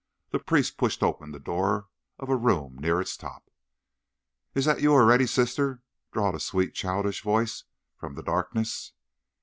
The priest pushed open the door of a room near its top. "Is that you already, sister?" drawled a sweet, childish voice from the darkness.